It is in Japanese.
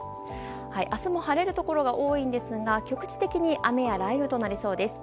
明日も晴れるところが多いですが局地的に雨や雷雨となりそうです。